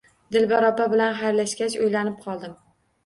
Dilbar opa bilan xayrlashgach, o`ylanib qoldim